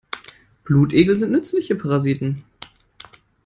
Blutegel sind nützliche Parasiten.